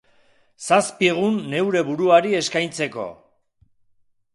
Zazpi egun neure buruari eskaintzeko.